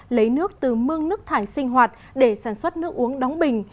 lấy nước từ mương nước thải sinh hoạt để sản xuất nước uống đóng bình